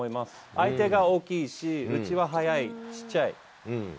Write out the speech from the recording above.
相手が大きいし、うちは速い、小っちゃい。